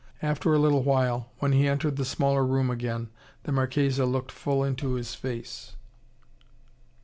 After a little while, when he entered the smaller room again, the Marchesa looked full into his face.